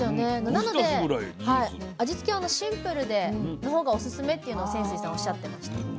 なので味付けはシンプルな方がオススメっていうのを泉水さんおっしゃってました。